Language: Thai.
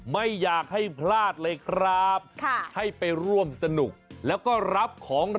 ไม่อยากให้พลาดเลยครับ